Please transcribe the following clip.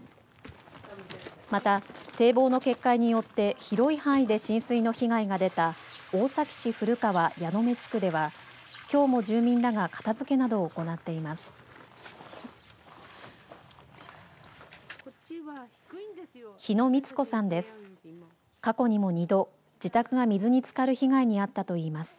また、堤防の決壊によって広い範囲で浸水の被害が出た大崎市古川矢目地区ではきょうも住民らが片づけなどを行っています。